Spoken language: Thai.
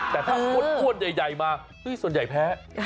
แต่ถ้าอ้วนใหญ่มาส่วนใหญ่แพ้